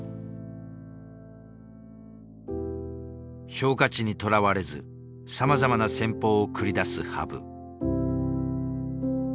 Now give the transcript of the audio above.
評価値にとらわれずさまざまな戦法を繰り出す羽生。